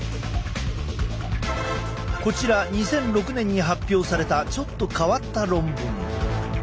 こちら２００６年に発表されたちょっと変わった論文。